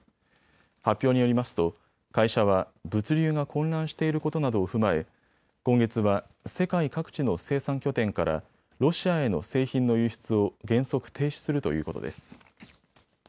発表によりますと会社は物流が混乱していることなどを踏まえ今月は世界各地の生産拠点からロシアへの製品の輸出を原則停止するということです。